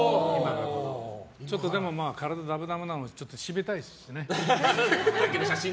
ちょっと体ダルダルなので締めたいですね。